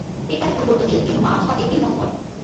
এর তারিখ পরিবর্তনশীল, কিন্তু মার্চ বা এপ্রিল মধ্যে পড়ে।